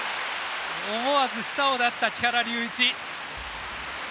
思わず舌を出した木原龍一。